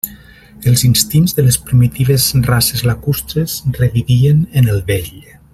Els instints de les primitives races lacustres revivien en el vell.